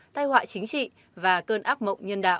tai họa chính trị và cơn ác mộng nhân đạo